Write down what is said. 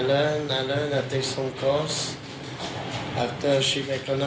และไม่รู้ว่าเธอต้องรักชีวิตชีวิตของฉัน